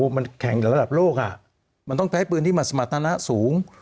โอ้มันแข่งตลาดโลกอ่ะมันต้องไปให้ปืนที่มันสมาธินาสูง